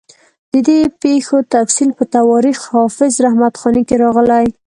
د دې پېښو تفصیل په تواریخ حافظ رحمت خاني کې راغلی.